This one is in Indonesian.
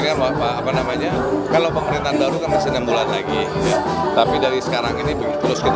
kan apa namanya kalau pemerintahan baru kan masih enam bulan lagi tapi dari sekarang ini terus kita